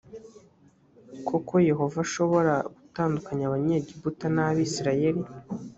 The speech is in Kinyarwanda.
koko yehova ashobora gutandukanya abanyegiputa n’abisirayeli